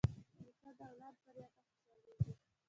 نیکه د اولاد بریا ته خوشحالېږي.